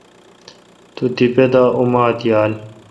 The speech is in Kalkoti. تو تیپہ دا اومات یالہ۔